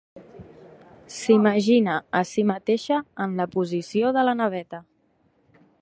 S'imagina a si mateixa en la posició de la Naveta.